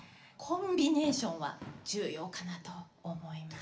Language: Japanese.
コンビネーションは重要かなと思います。